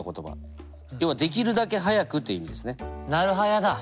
要は「できるだけ早く」という意味ですね。